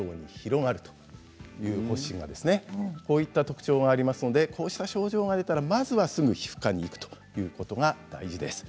こういった特徴がありますのでこうした症状が出たら、まずはすぐ皮膚科に行くということが大事です。